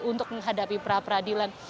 untuk menghadapi pra peradilan